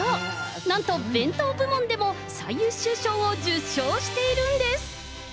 なんと弁当部門でも、最優秀賞を受賞しているんです。